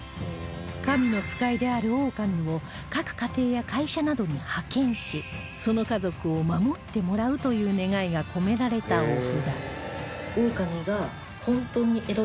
神の使いであるオオカミを各家庭や会社などに派遣しその家族を守ってもらうという願いが込められたお札